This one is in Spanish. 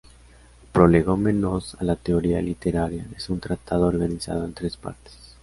Prolegómenos a la Teoría literaria" es un tratado organizado en tres partes.